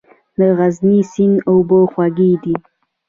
د غزني سیند اوبه خوږې دي؟